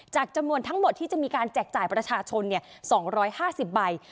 จำนวนทั้งหมดที่จะมีการแจกจ่ายประชาชน๒๕๐ใบ